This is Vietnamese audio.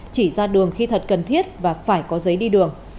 chỉ ra đường khi thật cần thiết và phải có giấy đi đường